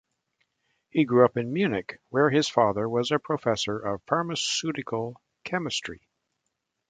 He grew up in Munich where his father was a professor of pharmaceutical chemistry.